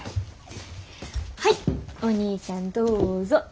はいお兄ちゃんどうぞ。